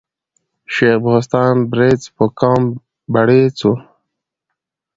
شېخ بستان برېڅ په قوم بړېڅ ؤ.